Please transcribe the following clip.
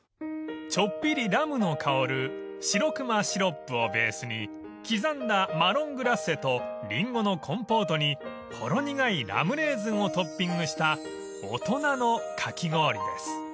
［ちょっぴりラムの香るシロクマシロップをベースに刻んだマロングラッセとリンゴのコンポートにほろ苦いラムレーズンをトッピングした大人のかき氷です］